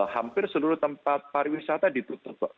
hampir seluruh tempat pariwisata ditutup pak